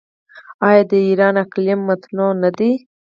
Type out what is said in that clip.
آیا د ایران اقلیم متنوع نه دی؟